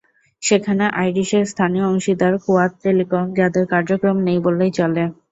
সেখানে আইরিসের স্থানীয় অংশীদার কোয়াদ টেলিকম, যাদের কার্যক্রম নেই বললেই চলে।